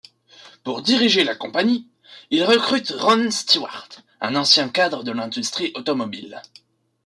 Pour diriger la compagnie, il recrute Ron Stewart, un ancien cadre de l'industrie automobile.